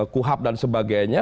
kuhap dan sebagainya